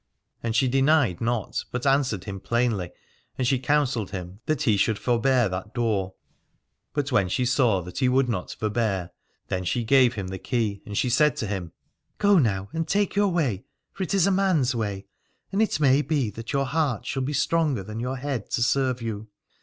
And she denied not, but answered him plainly, and she counselled him that he should forbear that door. But when she saw that he would not forbear then she gave him the key, and she said to him : Go now and take your way, for it is a man's way, and it may be that your heart shall be stronger than your head to serve you.